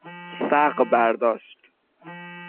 سَغ برداشت